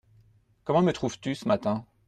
Comment me trouves-tu, ce matin ?